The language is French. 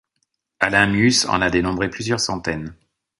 Alain Mius en a dénombré plusieurs centaines.